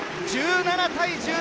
１７対１７。